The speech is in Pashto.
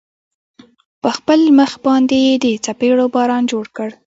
په خپل مخ باندې يې د څپېړو باران جوړ کړ.